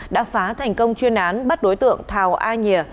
đã phá thành công chuyên án bắt đối tượng thảo a nhìa